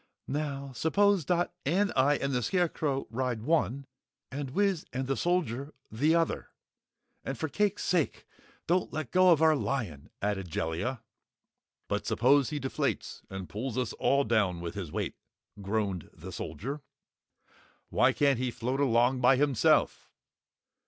"Now, suppose Dot and I and the Scarecrow ride one, and Wiz and the Soldier, the other. And for cake's sake don't let go our lion!" added Jellia. "But suppose he deflates and pulls us all down with his weight," groaned the Soldier. "Why can't he float along by himself?"